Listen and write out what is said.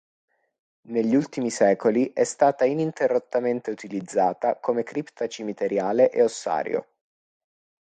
Negli ultimi secoli è stata ininterrottamente utilizzata come cripta cimiteriale e ossario.